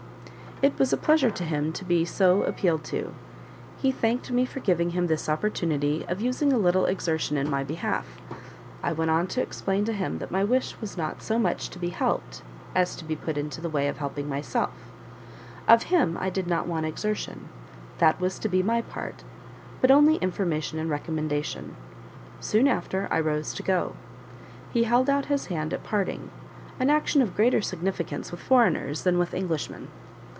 It was a pleasure to him to be so appealed to; he thanked me for giving him this opportunity of using a little exertion in my behalf. I went on to explain to him that my wish was not so much to be helped, as to be put into the way of helping myself; of him I did not want exertion that was to be my part but only information and recommendation. Soon after I rose to go. He held out his hand at parting an action of greater significance with foreigners than with Englishmen.